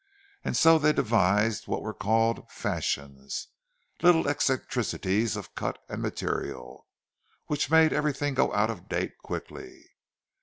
And so they devised what were called "fashions"—little eccentricities of cut and material, which made everything go out of date quickly.